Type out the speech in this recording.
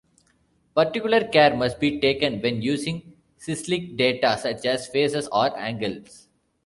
Particular care must be taken when using cyclic data, such as phases or angles.